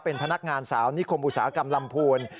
เป็นพนักงานสาวนิคมอุตสาหกรรมลำพูน